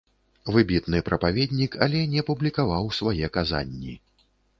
Выбітны прапаведнік, але не публікаваў свае казанні.